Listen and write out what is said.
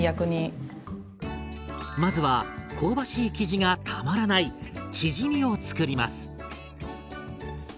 まずは香ばしい生地がたまらないチヂミを作ります！